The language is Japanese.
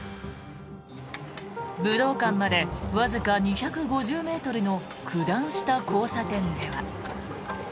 武道館までわずか２５０ｍの九段下交差点では。